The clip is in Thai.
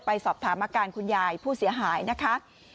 ไปสอบถามอาการคุณยายผู้เสียหายนะคะ